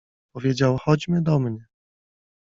Powiedział: — Chodźmy do mnie.